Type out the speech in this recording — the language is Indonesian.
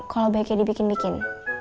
kalo baiknya dibikin bikin